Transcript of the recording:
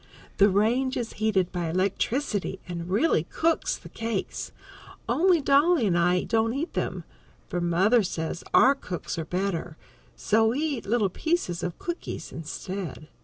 The range is heated by electricity and really cooks the cakes, only Dolly and I don't eat them, for mother says our cook's are better, so we eat little pieces of cookies instead.